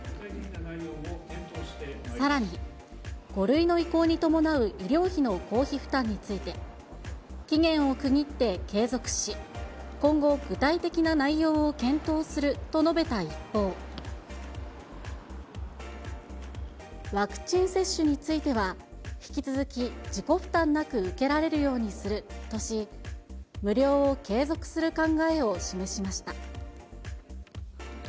さらに、５類の移行に伴う医療費の公費負担について、期限を区切って継続し、今後、具体的な内容を検討すると述べた一方、ワクチン接種については、引き続き、自己負担なく受けられるようにするとし、無料を継続する考えを示しました。